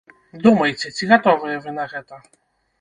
Думайце, ці гатовыя вы на гэта.